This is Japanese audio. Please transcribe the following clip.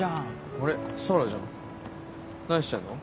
あれ栖原じゃん何してんの？